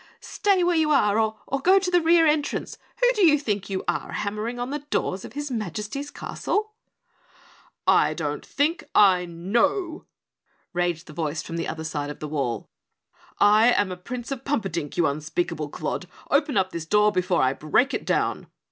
"Stay where you are, or go to the rear entrance! Who do you think you are, hammering on the doors of His Majesty's castle?" "I don't think, I know!" raged the voice from the other side of the wall. "I am a Prince of Pumperdink, you unspeakable clod. Open up this door before I break it down!"